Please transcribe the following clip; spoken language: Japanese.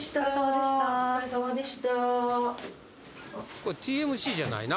これＴＭＣじゃないな